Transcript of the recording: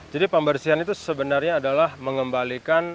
pembersihan itu sebenarnya adalah mengembalikan